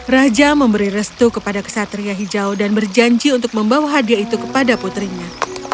raja memberi restu kepada kesatria hijau dan berjanji untuk membawa hadiah itu kepada putrinya